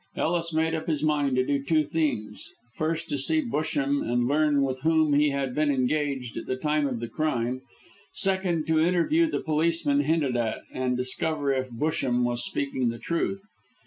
Ellis made up his mind to do two things first to see Busham and learn with whom he had been engaged at the time of the crime; second, to interview the policeman hinted at, and discover if Busham was speaking the truth.